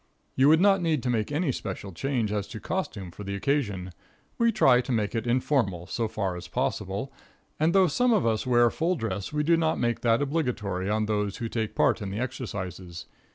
You would not need to make any special change as to costume for the occasion. We try to make it informal, so far as possible, and though some of us wear full dress we do not make that obligatory on those who take a part in the exercises.